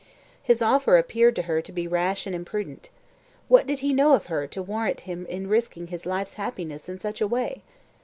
His offer appeared to her to be rash and imprudent. What did he know of her to warrant him in risking his life's happiness in such a way?